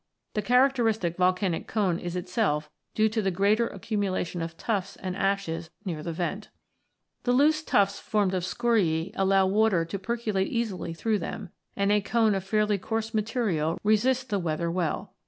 The characteristic volcanic cone is itself due to the greater accumulation of tuffs and ashes near the vent (Fig. 15). The loose tuffs formed of scoriae allow water to percolate easily through them, and a cone of fairly coarse material resists the weather well.